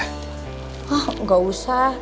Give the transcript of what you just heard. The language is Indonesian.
hah gak usah